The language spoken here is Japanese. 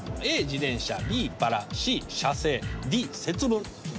Ａ「自転車」Ｂ「ばら」Ｃ「写生」Ｄ「節分」。